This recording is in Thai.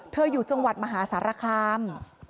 อยู่จังหวัดมหาสารคาม